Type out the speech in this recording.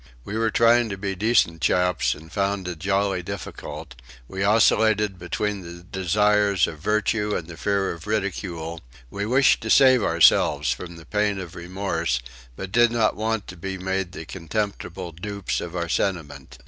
We were trying to be decent chaps, and found it jolly difficult; we oscillated between the desire of virtue and the fear of ridicule; we wished to save ourselves from the pain of remorse, but did not want to be made the contemptible dupes of our sentiment.